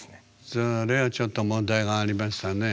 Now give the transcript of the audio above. それはちょっと問題がありましたね。